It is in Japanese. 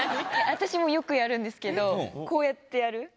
私もよくやるんですけど、こうやってやる。